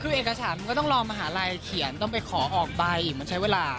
คือเอกสารมันก็ต้องรอมหาลัยเขียนต้องไปขอออกใบอีกมันใช้เวลา